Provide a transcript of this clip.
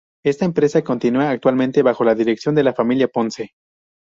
Esta empresa continúa actualmente bajo la dirección de la familia Ponce.